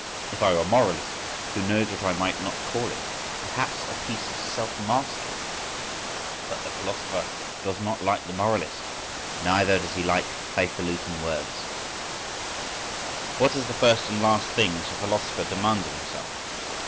—If I were a moralist, who knows what I might not call it! Perhaps a piece of self mastery.—But the philosopher does not like the moralist, neither does he like high falutin' words.… What is the first and last thing that a philosopher demands of himself?